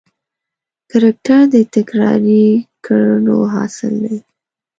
کرکټر د تکراري کړنو حاصل دی.